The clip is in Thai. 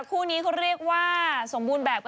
คู่นี้เขาเรียกว่าสมบูรณ์แบบ